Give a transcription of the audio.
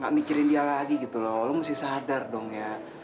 gak mikirin dia lagi gitu loh lo mesti sadar dong ya